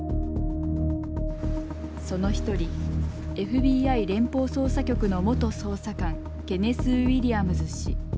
その一人ＦＢＩ連邦捜査局の元捜査官ケネス・ウィリアムズ氏。